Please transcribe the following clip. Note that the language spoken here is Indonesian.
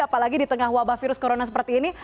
apalagi di tengah wabah virus corona seperti ini